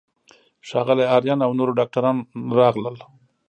ښاغلی آرین او نورو ډاکټرانو راغلل.